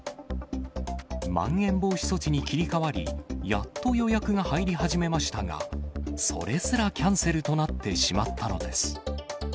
まん延防止措置に切り替わり、やっと予約が入り始めましたが、それすらキャンセルとなってしまったのです。